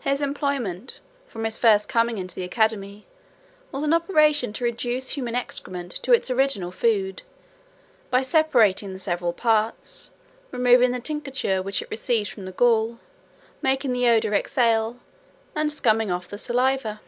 His employment, from his first coming into the academy, was an operation to reduce human excrement to its original food, by separating the several parts, removing the tincture which it receives from the gall, making the odour exhale, and scumming off the saliva.